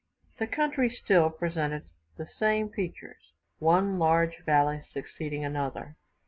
The country still presented the same features; one large valley succeeding another.